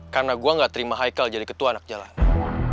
karena gue gak terima haikal jadi ketua anak jalanan